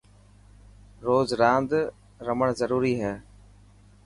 روز راند رهڻ ضروري هي.